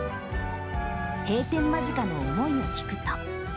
閉店間近の思いを聞くと。